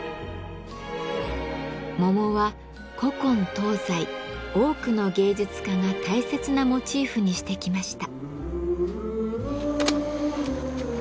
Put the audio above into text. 桃は古今東西多くの芸術家が大切なモチーフにしてきました。